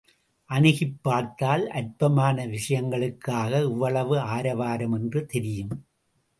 அணுகிப் பார்த்தால் அற்பமான விஷயங்களுக்காக இவ்வளவு ஆரவாரம் என்று தெரியும்!